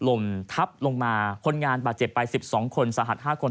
ล่มทับลงมาคนงานบาดเจ็ดไปสิบสองคนสาหัสห้าคน